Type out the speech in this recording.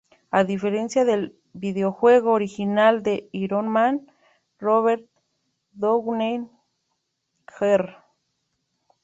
A diferencia del videojuego original de "Iron Man", Robert Downey Jr.